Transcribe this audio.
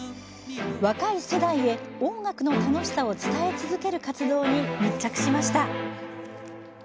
若い世代へ音楽の楽しさを伝え続ける活動に密着しました。